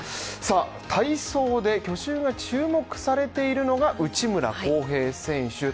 体操で去就が注目されているのが内村航平選手。